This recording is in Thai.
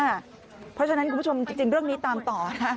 เพราะฉะนั้นคุณผู้ชมจริงเรื่องนี้ตามต่อนะ